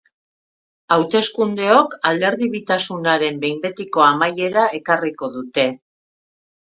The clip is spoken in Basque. Hauteskundeok alderdibitasunaren behin betiko amaiera ekarriko dute.